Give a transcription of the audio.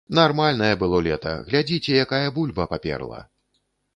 Нармальнае было лета, глядзіце, якая бульба паперла!